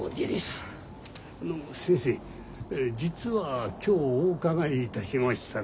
あの先生実は今日お伺いいたしましたのは。